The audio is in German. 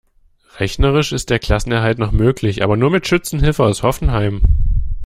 Rechnerisch ist der Klassenerhalt noch möglich, aber nur mit Schützenhilfe aus Hoffenheim.